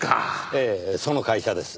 ええその会社です。